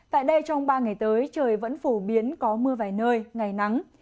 tại đây trong ba ngày tới trời vẫn phổ biến có mưa vài nơi ngày nắng